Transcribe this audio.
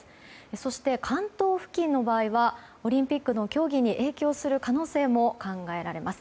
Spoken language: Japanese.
そして関東付近の場合はオリンピックの競技に影響する可能性も考えられます。